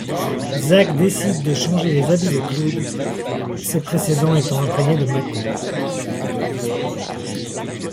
Zack décide de changer les habits de Cloud, ces précédents étant imprégnés de Mako.